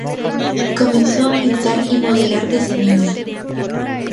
Comenzó a pintar y modelar desde niño.